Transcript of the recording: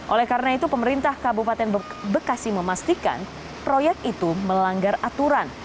oleh karena itu pemerintah kabupaten bekasi memastikan proyek itu melanggar aturan